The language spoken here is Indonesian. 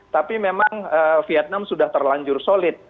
tapi memang vietnam sudah terlanjur solid